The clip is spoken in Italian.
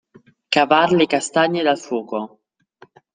Cavar le castagne dal fuoco.